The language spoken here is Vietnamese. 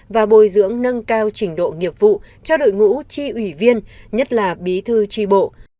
và bồi dưỡng nâng cao trình độ nghiệp vụ cho đội ngũ chi ủy viên nhất là bí thư tri bộ